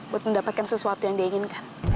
buat mendapatkan sesuatu yang dia inginkan